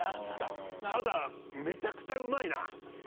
ただめちゃくちゃうまいな。